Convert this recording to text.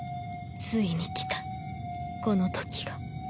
ついに来たこの時が